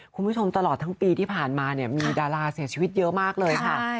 คุณผู้ชมตลอดทั้งปีที่ผ่านมาเนี่ยมีดาราเสียชีวิตเยอะมากเลยค่ะ